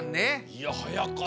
いやはやかった。